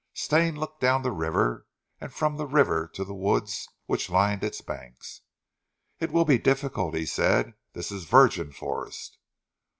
Stane looked down the river and from the river to the woods which lined its banks. "It will be difficult," he said. "This is virgin forest."